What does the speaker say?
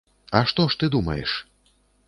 А што ж ты думаеш?